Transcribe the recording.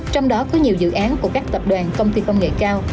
trong đó có nhiều dự án của các tập đoàn công ty công nghệ cao